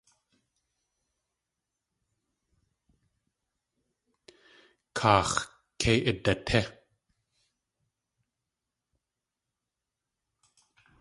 Kaax̲ kei idatí!